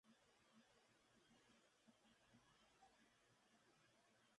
Para visitar el paraje desde el Rincón de Ademuz cabe ir a Castielfabib.